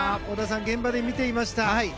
織田さん、現場で見ていました。